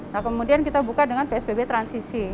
nah kemudian kita buka dengan psbb transisi